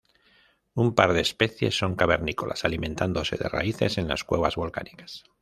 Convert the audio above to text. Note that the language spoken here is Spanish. Un par de especies son cavernícolas, alimentándose de raíces en las cuevas volcánicas.